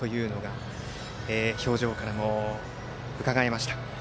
その信じる様子というのが表情からもうかがえました。